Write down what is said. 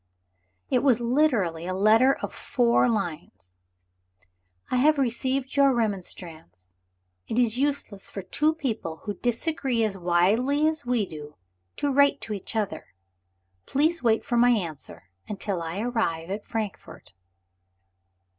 It was literally a letter of four lines! "I have received your remonstrance. It is useless for two people who disagree as widely as we do, to write to each other. Please wait for my answer, until I arrive at Frankfort."